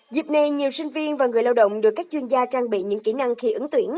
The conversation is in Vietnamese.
dịp này nhiều sinh viên và người lao động được các chuyên gia trang bị những kỹ năng khi ứng tuyển